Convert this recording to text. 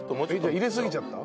入れすぎちゃった？